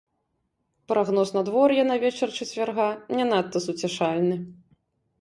Прагноз надвор'я на вечар чацвярга не надта суцяшальны.